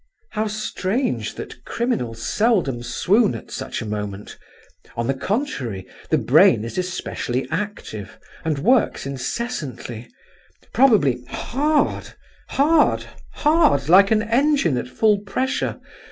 "How strange that criminals seldom swoon at such a moment! On the contrary, the brain is especially active, and works incessantly—probably hard, hard, hard—like an engine at full pressure.